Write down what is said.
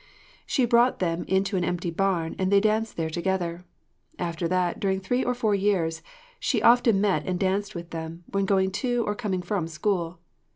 She brought them into an empty barn and they danced there together. After that, during three or four years, she often met and danced with them, when going to or coming from school.